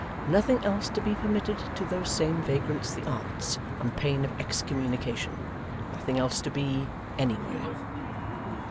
Nothing else to be permitted to those same vagrants the Arts, on pain of excommunication. Nothing else To Be anywhere!